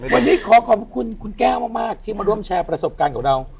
วันนี้ขอขอบคุณคุณแก้วมากที่มาร่วมแชร์ประสบการณ์กับเรา